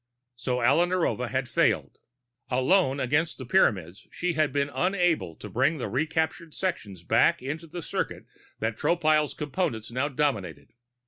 So Alla Narova had failed. Alone against the Pyramids, she had been unable to bring the recaptured sections back into the circuit that Tropile's Components now dominated.